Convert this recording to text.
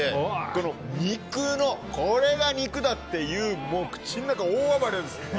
この肉の、これが肉だ！っていう口の中、大暴れです。